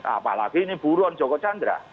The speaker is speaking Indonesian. apalagi ini buron joko chandra